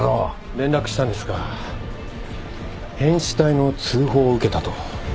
連絡したんですが変死体の通報を受けたと。